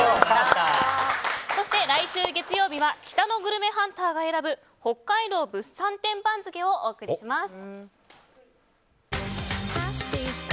そして来週月曜日は北のグルメハンターが選ぶ北海道物産展番付をお届けします。